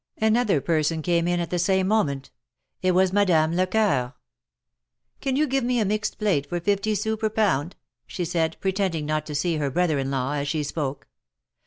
Another person came in at the same moment. It was Madame Lecceur. ''Can you give me a mixed plate for fifty sous per pound ? she said, pretending not to see her brother in law as she spoke.